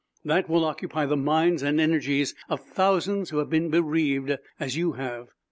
That will occupy the minds and energies of thousands who have been bereaved as you have.